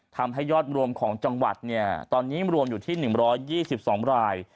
ทำให้ยอดรวมของจังหวัดตอนนี้รวมอยู่ที่๑๒๒ราย